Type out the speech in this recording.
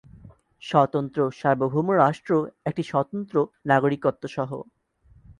স্বতন্ত্র সার্বভৌম রাষ্ট্র একটি স্বতন্ত্র নাগরিকত্বসহ।